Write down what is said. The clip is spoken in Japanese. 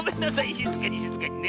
しずかにしずかにね。